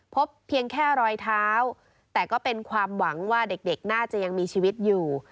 เพียงแค่รอยเท้าแต่ก็เป็นความหวังว่าเด็กน่าจะยังมีชีวิตอยู่